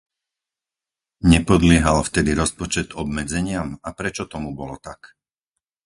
Nepodliehal vtedy rozpočet obmedzeniam, a prečo tomu bolo tak?